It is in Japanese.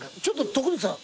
徳光さん